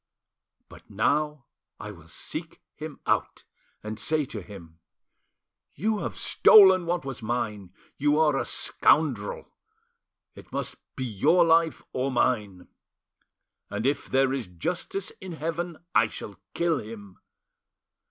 But now I will seek him out, and say to him, 'You have stolen what was mine; you are a scoundrel! It must be your life, or mine!' And if, there is justice in heaven, I shall kill him!